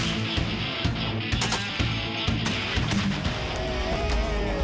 padahal dengan partner recovery ramp ini xebit pants ini lebih mudah menjadi remedial biayak ngelak